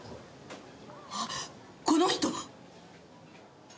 あっこの人！